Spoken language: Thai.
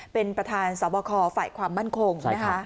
เป็นประธานสวครฝ่ายความมั่นคง